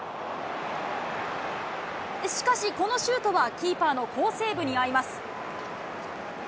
しかし、このシュートはキーパーの好セーブにあいます。